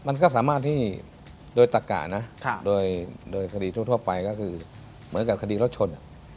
มันก็สามารถที่โดยตะกะนะโดยคดีทั่วไปก็คือเหมือนกับคดีรถชน